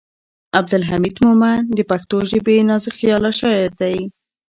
عبدالحمید مومند د پښتو ژبې نازکخیاله شاعر دی.